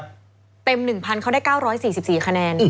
เต็ม๑๐๐เขาได้๙๔๔คะแนน